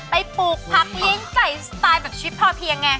ไปปลูกพักเฮียงใส่สไตล์แบบชีวิตพอเพียงไง